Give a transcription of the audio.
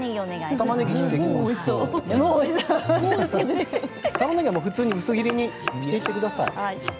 たまねぎは普通に薄切りにしてください。